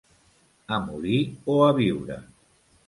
A morir o a viure.